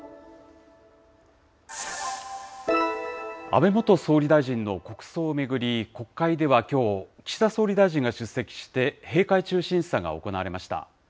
安倍元総理大臣の国葬を巡り、国会ではきょう、岸田総理大臣が出席して、閉会中審査が行われました。